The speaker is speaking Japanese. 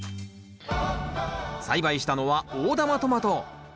栽培したのは大玉トマト。